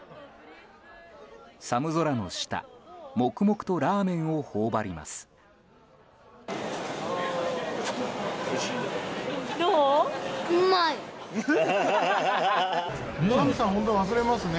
寒空の下黙々とラーメンを頬張ります。